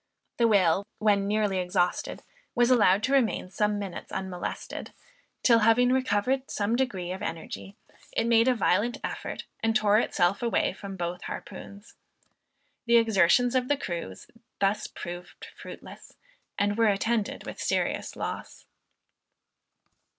The whale when nearly exhausted was allowed to remain some minutes unmolested, till having recovered some degree of energy, it made a violent effort and tore itself away from both harpoons. The exertions of the crews thus proved fruitless, and were attended with serious loss.